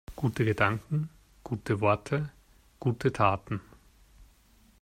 Gute Gedanken, gute Worte, gute Taten.